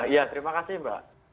ya terima kasih mbak